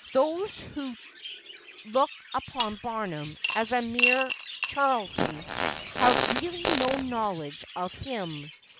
Those who look upon Barnum as a mere charlatan, have really no knowledge of him.